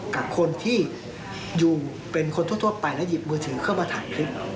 กับคนที่อยู่เป็นคนทั่วไปแล้วหยิบมือถือเข้ามาถ่ายคลิป